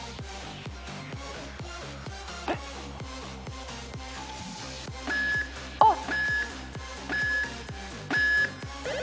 えっ？あっ。